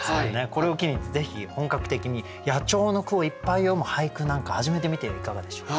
これを機にぜひ本格的に野鳥の句をいっぱい詠む俳句なんか始めてみてはいかがでしょう？